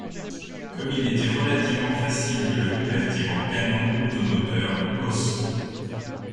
Comme il était relativement facile de le convertir en canon automoteur Ausf.